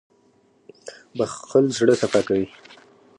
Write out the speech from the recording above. • بښل زړه صفا کوي.